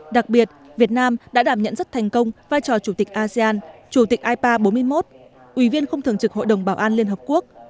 đặc biệt việt nam đã đảm nhận rất thành công vai trò chủ tịch asean chủ tịch ipa bốn mươi một ủy viên không thường trực hội đồng bảo an liên hợp quốc